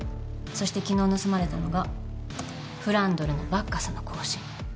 そして昨日盗まれたのがフランドルの「バッカスの行進」